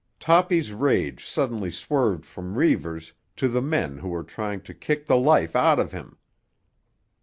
Toppy's rage suddenly swerved from Reivers to the men who were trying to kick the life out of him.